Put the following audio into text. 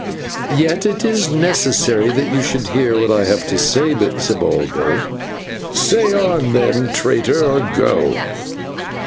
"Yet it is necessary that you should hear what I have to say, Zibalbay." "Say on then, traitor, or go."